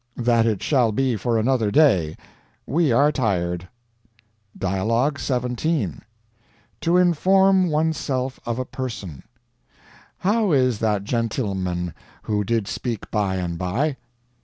That it shall be for another day; we are tired. DIALOGUE 17 To Inform One'self of a Person How is that gentilman who you did speak by and by?